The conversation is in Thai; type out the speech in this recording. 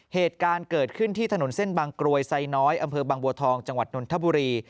เหตุการณ์เกิดขึ้นที่ถนนเส้นบางกรวยไซน้อยอำเภอบางบัวทองจังหวัดนนทบุรี